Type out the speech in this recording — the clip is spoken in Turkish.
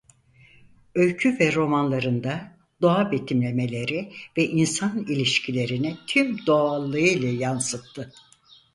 Öykü ve romanlarında doğa betimlemeleri ve insan ilişkilerini tüm doğallığı ile yansıttı.